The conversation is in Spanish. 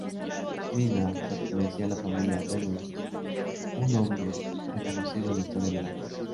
Nina pertenecía a la familia Benois, un nombre reconocido en la historia del arte.